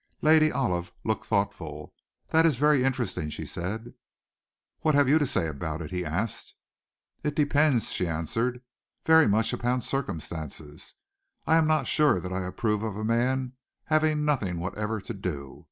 Lady Olive looked thoughtful. "That is very interesting," she said. "What have you to say about it?" he asked. "It depends," she answered, "very much upon circumstances. I am not sure that I approve of a man having nothing whatever to do.